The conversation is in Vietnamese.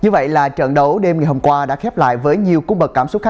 vâng chúc mừng chị